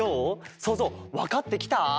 そうぞうわかってきた？